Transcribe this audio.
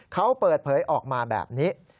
เขาเปิดเผยออกมาแบบนี้